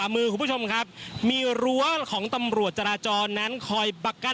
ผู้สื่อข่าวชนะทีวีจากฟิวเจอร์พาร์ครังสิตเลยนะคะ